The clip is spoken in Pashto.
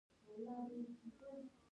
ځیګر چیرته موقعیت لري؟